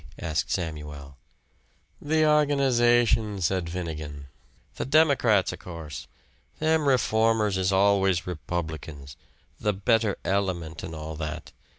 asked Samuel. "The organization," said Finnegan; "the Democrats, o' course. Them reformers is always Republicans the 'better element,' an' all that.